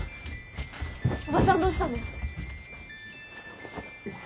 おばさんどうしたの？